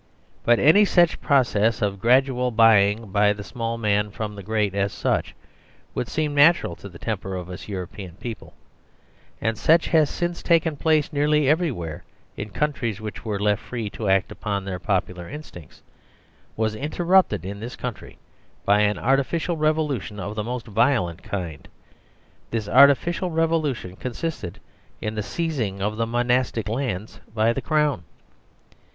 But any such process of gradual buying by the small man from the great, such as would seem natural to the temper of us European people, and such as has since taken place nearly everywhere in countries which were left free to act upon their popular instincts, was interrupted in this country by an artificial revolution of the most violent kind. This artificial revolution consisted in the seizing of the monastic lands by the Crown.